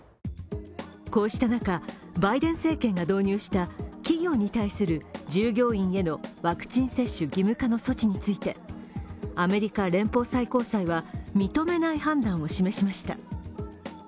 こうした中、バイデン政権が導入した企業に対する従業員のワクチン接種義務化の措置についてアメリカ連邦最高裁は認めない判断を示しました。